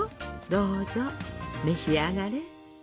どうぞ召し上がれ！